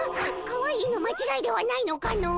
かわいいの間違いではないのかの？